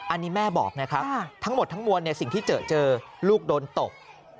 อันนี้แม่บอกนะครับทั้งหมดทั้งมวลสิ่งที่เจอเจอลูกโดนตบ